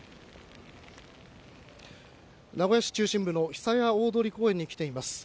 名古屋市中心部の久屋大通公園に来ています。